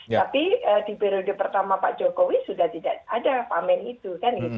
tapi di periode pertama pak jokowi sudah tidak ada pak amin itu